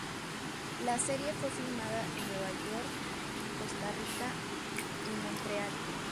La serie fue filmada en Nueva York, Costa Rica y Montreal.